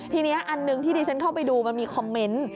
ทีนี้อันหนึ่งที่ดิฉันเข้าไปดูมันมีคอมเมนต์